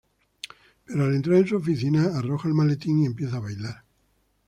Pero al entrar en su oficina, arroja el maletín y empieza a bailar.